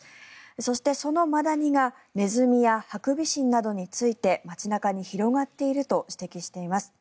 そして、そのマダニがネズミやハクビシンなどについて街中に広がっていると指摘しています。